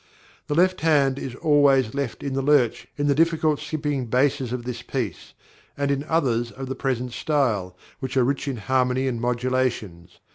The left hand is always left in the lurch in the difficult, skipping basses of this piece, and in others of the present style, which are rich in harmony and modulations.